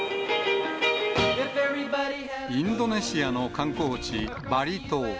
インドネシアの観光地、バリ島。